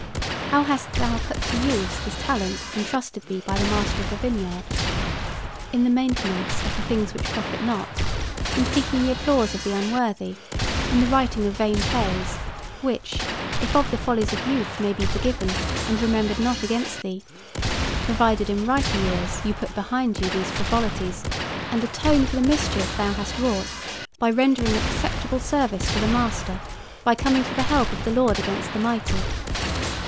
How hast thou put to use this talent entrusted thee by the Master of the vineyard? In the maintenance of the things which profit not; in seeking the applause of the unworthy; in the writing of vain plays, which, if of the follies of youth, may be forgiven and remembered not against thee, provided in riper years you put behind you these frivolities, and atone for the mischief thou hast wrought by rendering acceptable service to the Master; by coming to the help of the Lord against the mighty.